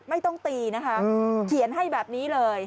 ไม่ต้องตีนะคะเขียนให้แบบนี้เลย